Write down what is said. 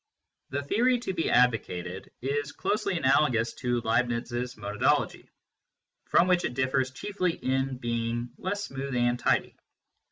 The theory to be advocated is closely analogous to Leibniz s monadology, from which it differs chiefly in being less smooth and tidy.